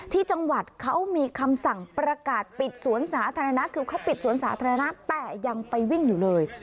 ที่จังหวัดเขามีคำสั่งประกาศปิดสวนสาธารณะคือเขาปิดสวนสาธารณะแต่ยังไปวิ่งอยู่เลย